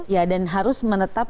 ya dan harus menetap